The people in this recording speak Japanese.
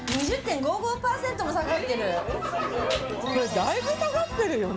だいぶ下がってるよね。